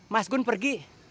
mas gun pergi